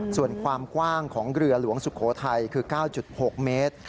ส่วนความกว้างของเรือหลวงสุโขทัยคือ๙๖เมตร